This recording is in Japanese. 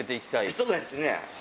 そうですね。